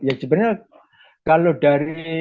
ya sebenarnya kalau dari